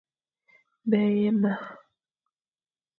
Bèye ma.